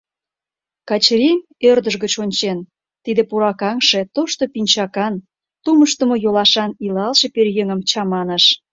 Качырий, ӧрдыж гыч ончен, тиде пуракаҥше тошто пинчакан, тумыштымо йолашан илалше пӧръеҥым чаманыш.